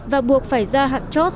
và buộc phải ra hạn chót